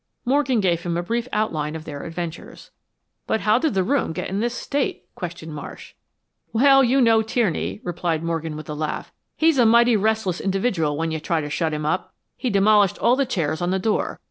Morgan gave him a brief outline of their adventures. "But how did the room get in this state?" questioned Marsh. "Well, you know Tierney," replied Morgan, with a laugh. "He's a mighty restless individual when you try to shut him up. He demolished all the chairs on the door.